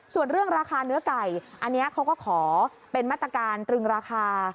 ส่วนเรื่องราคาเนื้อไก่อันนี้เขาก็ขอเป็นมาตรการตรึงราคา